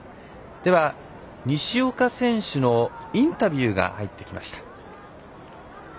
では、西岡選手のインタビューが入ってきました。